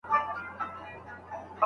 که مدیر وي نو اداره نه خرابیږي.